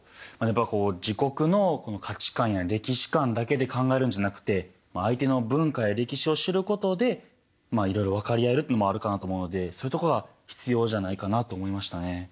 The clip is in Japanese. やっぱりこう自国の価値観や歴史観だけで考えるんじゃなくて相手の文化や歴史を知ることでいろいろ分かり合えるっていうのもあるかなと思うのでそういうとこが必要じゃないかなと思いましたね。